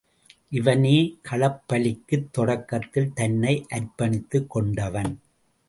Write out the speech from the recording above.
இவனே களப்பலிக்குத் தொடக்கத்தில் தன்னை அர்ப்பணித்துக் கொண்டவன்.